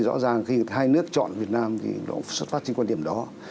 rõ ràng khi hai nước chọn việt nam thì nó xuất phát trên quan điểm đó